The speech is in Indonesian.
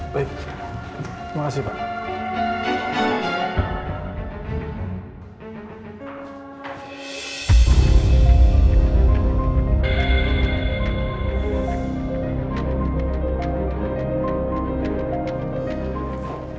baik makasih pak